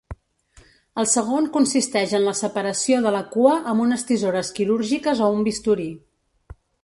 El segon consisteix en la separació de la cua amb unes tisores quirúrgiques o un bisturí.